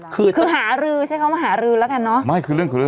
คือหารื้อเขาต้องมาหารื้อแล้วกันเนอะ